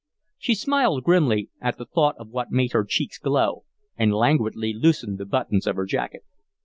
She smiled grimly at the thought of what made her cheeks glow, and languidly loosened the buttons of her jacket.